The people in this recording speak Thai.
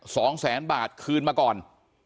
สองแสนบาทคืนมาก่อน